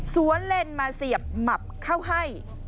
เลนมาเสียบหมับเข้าให้